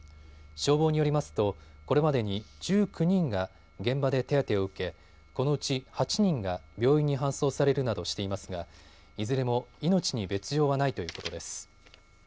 消防によりますとこれまでに１９人が現場で手当てを受けこのうち８人が病院に搬送されるなどしていますがいずれも命に別状はないということです。